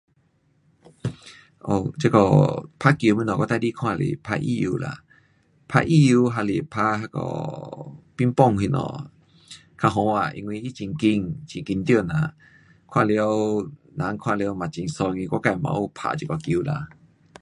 um 这个打球什么我最喜欢看是打羽球啦。打羽球还是打乒乓什么较好看，因为它很快，很紧张啦。看了，人看了嘛很爽，因为我自也有打这个球啦。